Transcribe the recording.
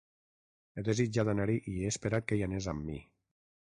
He desitjat anar-hi i he esperat que hi anés amb mi.